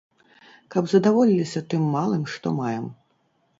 Каб задаволіліся тым малым, што маем.